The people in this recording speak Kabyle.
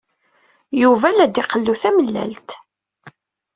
Yuba la d-iqellu tamellalt.